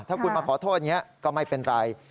ถ้าคุณมาขอโทษอย่างนี้ก็ไม่เป็นไร